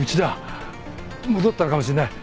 戻ったのかもしんない。